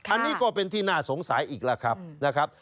อันนี้ก็เป็นที่น่าสงสัยอีกแล้วครับนะครับ